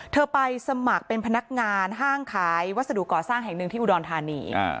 ไปสมัครเป็นพนักงานห้างขายวัสดุก่อสร้างแห่งหนึ่งที่อุดรธานี